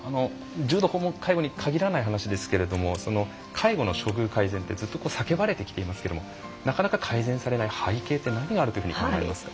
重度訪問介護の話に限らないかもしれない話ですけど介護の処遇改善って叫ばれていますけどなかなか改善されない背景って何があるというふうに考えますか？